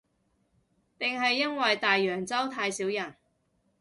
定係因為大洋洲太少人